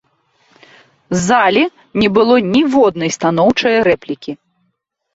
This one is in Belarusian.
З залі не было ніводнай станоўчае рэплікі.